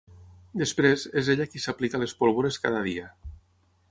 Després, és ella qui s'aplica les pólvores cada dia.